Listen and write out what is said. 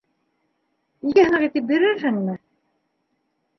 Ике һыныҡ итеп бирерһеңме?